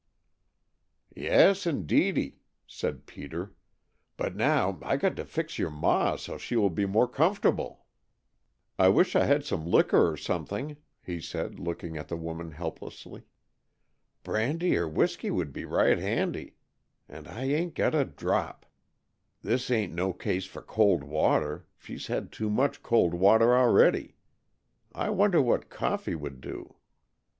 "Yes, indeedy," said Peter, "but now I got to fix your ma so's she will be more comfortable." "I wish I had some liquor or something," he said, looking at the woman helplessly. "Brandy or whisky would be right handy, and I ain't got a drop. This ain't no case for cold water; she's had too much cold water already. I wonder what coffee would do?"